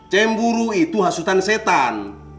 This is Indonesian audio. cemburu itu hasutan setan